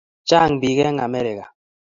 Chang' bik eng' Amerika